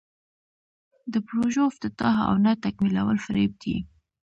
د پروژو افتتاح او نه تکمیلول فریب دی.